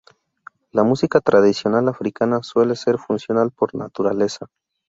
La música tradicional africana suele ser funcional por naturaleza.